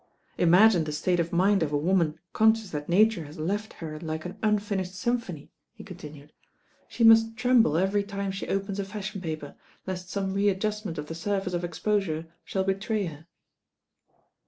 "Imagine the state of mind of a woman conscious that Nature has left her like an unfinished sym phony," he continued. "She must tremble every time she opens a fashion paper, lest some readjust ment of the surface of exposure shall betray her."